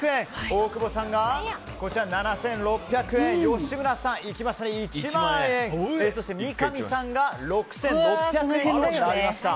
大久保さんが７６００円吉村さん、１万円そして三上さんが６６００円となりました。